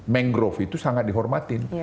mangrove itu sangat dihormatin